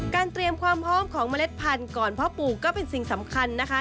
เตรียมความพร้อมของเมล็ดพันธุ์ก่อนพ่อปลูกก็เป็นสิ่งสำคัญนะคะ